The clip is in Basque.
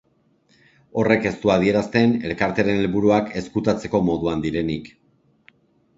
Horrek ez du adierazten elkartearen helburuak ezkutatzeko moduan direnik.